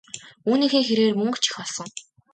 Үүнийхээ хэрээр мөнгө ч их олсон.